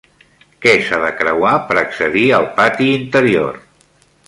Què s'ha de creuar per accedir al pati interior?